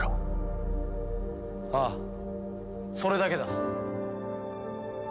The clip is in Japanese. ああそれだけだ。